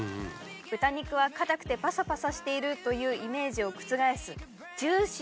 豚肉は硬くてパサパサしているというイメージを覆す。